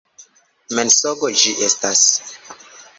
Mensogo ĝi estas!